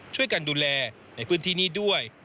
ช่วยกันดูแลในพื้นที่นี้ด้วย